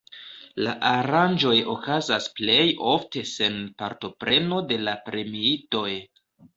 La aranĝoj okazas plej ofte sen partopreno de la premiitoj.